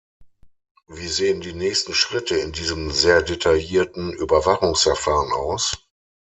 Wie sehen die nächsten Schritte in diesem sehr detaillierten Überwachungsverfahren aus?